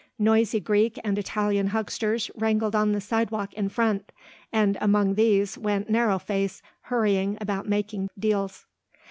Noisy Greek and Italian hucksters wrangled on the sidewalk in front, and among these went Narrow Face hurrying about making deals.